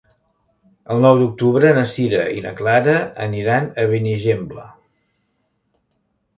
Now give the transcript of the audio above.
El nou d'octubre na Sira i na Clara aniran a Benigembla.